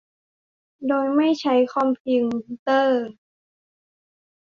โดยไม่ใช้คอมพิงเตอร์